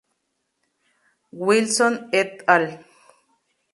O. Wilson, et al.